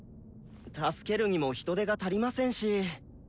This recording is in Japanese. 助けるにも人手が足りませんし。